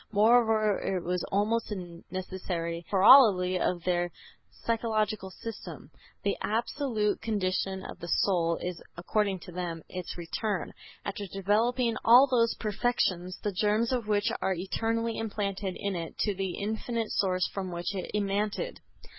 Moreover it was almost a necessary corollary of their psychological system. The absolute condition of the soul is, according to them, its return, after developing all those perfections, the germs of which are eternally implanted in it, to the Infinite Source from which it emanated.